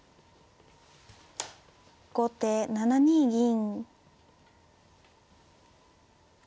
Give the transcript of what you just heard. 後手７二銀。